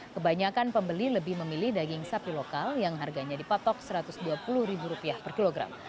kebanyakan pembeli lebih memilih daging sapi lokal yang harganya dipatok rp satu ratus dua puluh per kilogram